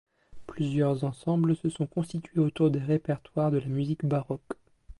Plusieurs ensembles se sont constitués autour des répertoires de la musique baroque.